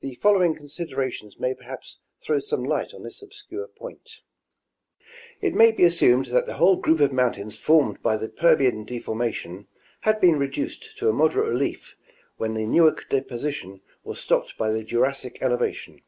The following considerations may perhaps throw some light on this obscure point. It may be assumed that the whole group of mountains formed by the Permian deformation had been reduced to a moderate relief when the Newark deposition was stopped by the Jurassic elevation.